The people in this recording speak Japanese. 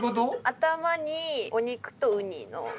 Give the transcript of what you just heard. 頭にお肉とウニの。